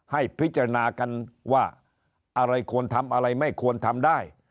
ให้พิจารณากันว่าอะไรควรทำอะไรไม่ควรทำได้